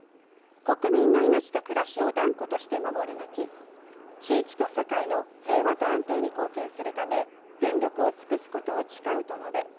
国民の命と暮らしを断固として守り抜き地域と世界の平和と安定に貢献するため全力を尽くすことを誓うと述べ